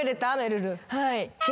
はい。